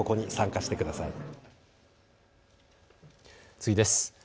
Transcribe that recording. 次です。